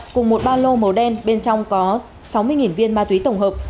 cùng một ba lô màu đen bên trong có sáu mươi viên ma túy tổng hợp